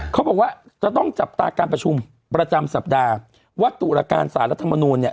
เขาบอกว่าจะต้องจับตาการประชุมประจำสัปดาห์ว่าตุรการสารรัฐมนูลเนี่ย